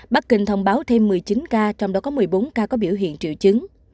bắc kinh thông báo thêm một mươi chín ca trong đó có một mươi bốn ca có biểu hiện triệu chứng